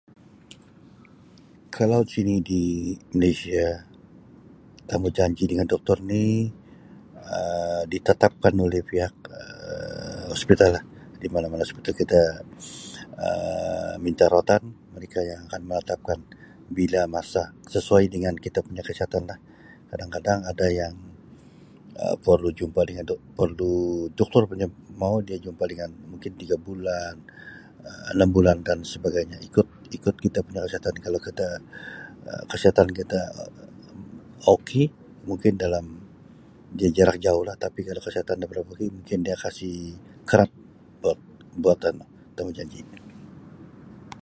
Kalau sini di Malaysia temujanji dengan Doktor ni Um ditetapkan oleh pihak Um hospital lah di mana-mana hospital kita Um minta rawatan mereka yang akan menetapkan bila masa sesuai dengan kita punya kesihatan lah kadang-kadang ada yang Um perlu jumpa dengan Dok perlu Doktor punya mau dia jumpa dengan mungkin tiga bulan enam bulan dan sebagainya ikut ikut kita punya kesihatan kalau kita Um kesihatan kita ok mungkin dalam dia jarak jauh lah tapi kalau kesihatan nda berapa ok mungkin dia kasi kerap buat buat anu temujanji.